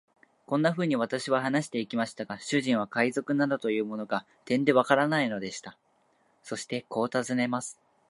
こんなふうに私は話してゆきましたが、主人は海賊などというものが、てんでわからないのでした。そしてこう尋ねます。